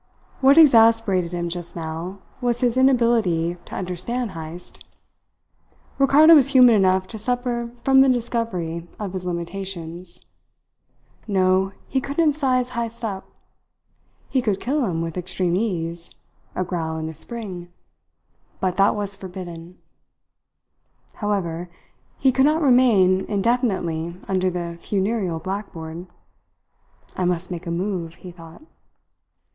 What exasperated him just now was his inability to understand Heyst. Ricardo was human enough to suffer from the discovery of his limitations. No, he couldn't size Heyst up. He could kill him with extreme ease a growl and a spring but that was forbidden! However, he could not remain indefinitely under the funereal blackboard. "I must make a move," he thought.